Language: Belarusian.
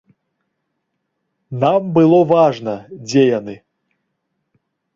Нам было важна, дзе яны.